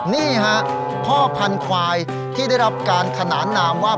นี่ฮะพ่อพันธวายที่ได้รับการขนานนามว่า